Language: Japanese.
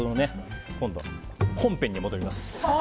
本編に戻ります。